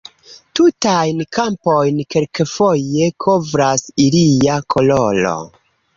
Tutajn kampojn kelkfoje kovras ilia koloro.